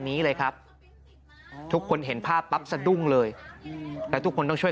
นี้เลยครับทุกคนเห็นภาพปั๊บสะดุ้งเลยแล้วทุกคนต้องช่วย